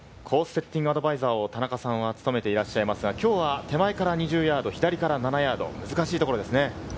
セッティングアドバイザーを田中さんは務めていらっしゃいますが、今日は手前から２０ヤード、左から７ヤード、難しいところですね。